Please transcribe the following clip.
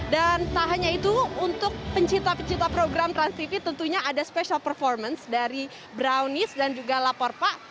dan tak hanya itu untuk pencinta pencinta program trans tv tentunya ada special performance dari brownies dan juga lapor pak